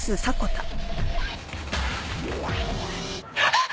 あっ！？